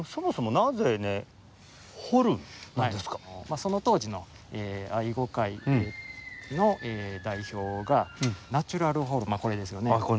その当時の愛護会の代表がナチュラルホルンまあこれですよね。